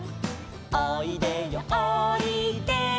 「おいでよおいで」